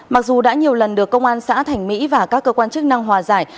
mặc dù đã nhiều lần được công an xã thành mỹ và các cơ quan chức năng hòa giải